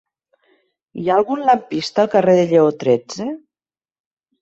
Hi ha algun lampista al carrer de Lleó tretze?